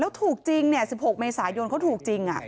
แล้วถูกจริงนี่๑๖เดียวกับเดิมเขาถูกจริง